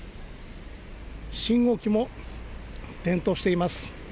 信号機も点灯しています。